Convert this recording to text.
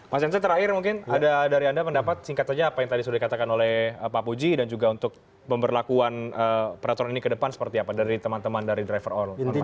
mas jansen terakhir mungkin ada dari anda pendapat singkat saja apa yang tadi sudah dikatakan oleh pak puji dan juga untuk pemberlakuan peraturan ini ke depan seperti apa dari teman teman dari driver all